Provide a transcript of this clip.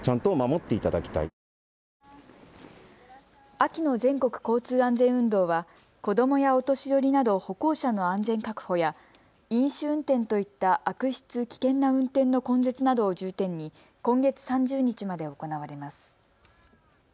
秋の全国交通安全運動は子どもやお年寄りなど歩行者の安全確保や飲酒運転といった悪質、危険な運転の根絶などを重点に今月３０日まで行われます。